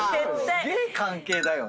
すげえ関係だよね。